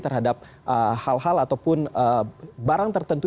terhadap hal hal ataupun barang tertentu